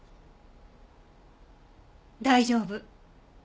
大丈夫。